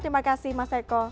terima kasih mas eko